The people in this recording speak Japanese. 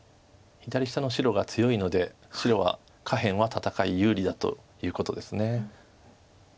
左下の白が強いので白は下辺は戦い有利だということです。